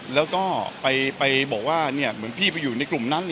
แล้วก็ไปบอกว่าเหมือนพี่ไปอยู่ในกลุ่มนั้น